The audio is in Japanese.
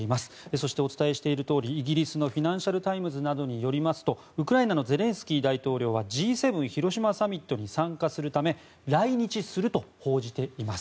そして、お伝えしているとおりイギリスのフィナンシャル・タイムズなどによりますとウクライナのゼレンスキー大統領はＧ７広島サミットに参加するため来日すると報じています。